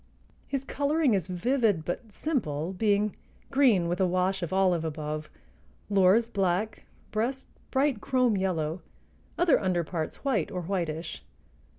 His coloring is vivid but simple, being green with a wash of olive above, lores black, breast bright chrome yellow, other under parts white or whitish.